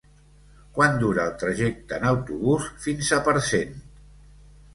Quant dura el trajecte en autobús fins a Parcent?